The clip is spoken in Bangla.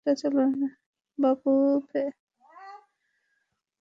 পরশু দুপুর থেকেই মেয়েদের ফিরিয়ে আনতে জোর চেষ্টা চালাতে থাকে বাফুফে।